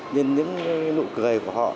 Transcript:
nhưng những nụ cười của họ